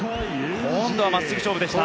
今度は真っすぐ勝負でした。